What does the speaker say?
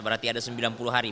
berarti ada sembilan puluh hari